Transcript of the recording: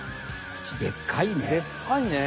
クチでっかいね。